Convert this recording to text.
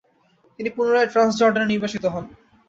তিনি পুনরায় ট্রান্সজর্ডানে নির্বাসিত হন।